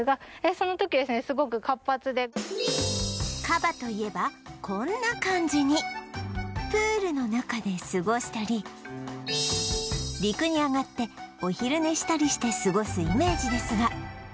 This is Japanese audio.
カバといえばこんな感じにプールの中で過ごしたり陸に上がってお昼寝したりして過ごすイメージですが